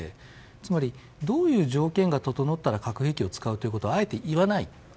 つまり、どういう条件が整ったら核兵器を使うということをあえて言わない。